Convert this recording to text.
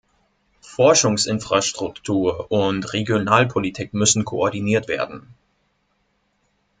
Forschungsinfrastruktur und Regionalpolitik müssen koordiniert werden.